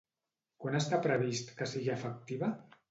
Quan està previst que sigui efectiva?